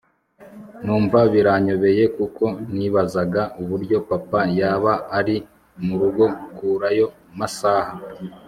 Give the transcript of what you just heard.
numva biranyobeye kuko nibazaga uburyo papa yaba ari murugo kurayo masaha